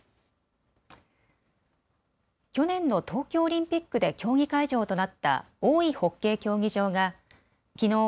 去年の東京オリンピックで競技会場となった大井ホッケー競技場がきのう